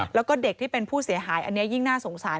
แล้วก็เด็กที่เป็นผู้เสียหายอันนี้ยิ่งน่าสงสาร